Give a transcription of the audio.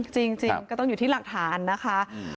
จริงก็ต้องอยู่ที่หลักฐานนะคะ